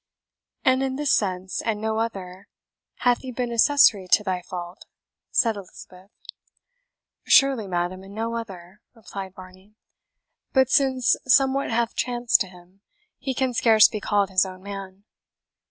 "And in this sense, and no other, hath he been accessory to thy fault?" said Elizabeth. "Surely, madam, in no other," replied Varney; "but since somewhat hath chanced to him, he can scarce be called his own man.